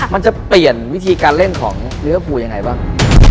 มันจะเปลี่ยนวิธีการเล่นของลิเวอร์ฟูยังไงบ้าง